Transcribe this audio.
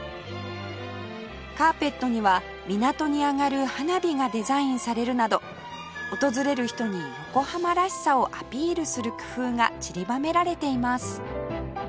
カーペットには港に上がる花火がデザインされるなど訪れる人に横浜らしさをアピールする工夫が散りばめられています